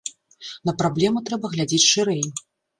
На праблему трэба глядзець шырэй.